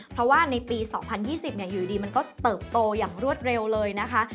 เพราะว่าในปี๒๐๒๐อยู่ดีมันก็เติบโตอย่างรวดเร็วเลยนะคะ